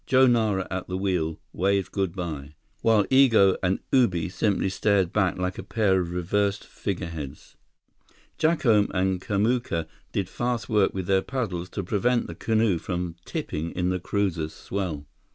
Joe Nara at the wheel, waved good by, while Igo and Ubi simply stared back like a pair of reversed figureheads. Jacome and Kamuka did fast work with their paddles to prevent the canoe from tipping in the cruiser's swell.